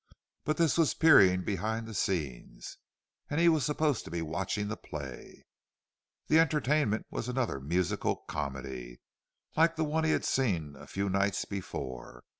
But this was peering behind the scenes, and he was supposed to be watching the play. The entertainment was another "musical comedy" like the one he had seen a few nights before.